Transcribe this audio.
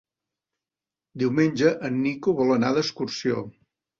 Diumenge en Nico vol anar d'excursió.